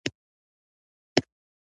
دا چې په متعارفو چوکاټونو کې نه ځایېږي.